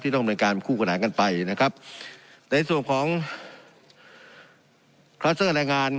ที่ต้องบริการคู่กันหากันไปนะครับในส่วนของแรงงาน